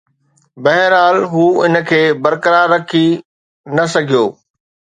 بهرحال، هو ان کي برقرار رکي نه سگهيو